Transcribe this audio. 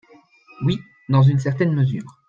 Oui, dans une certaine mesure.